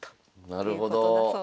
なるほど。